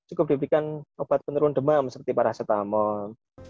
cukup diberikan obat penurun demam seperti paracetamol